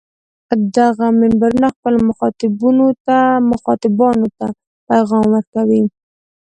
دغه منبرونه خپلو مخاطبانو ته پیغام ورکوي.